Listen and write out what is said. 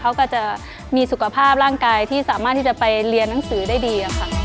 เขาก็จะมีสุขภาพร่างกายที่สามารถที่จะไปเรียนหนังสือได้ดีค่ะ